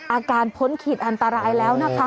อาการพ้นขิตอันตรายแล้วนะคะ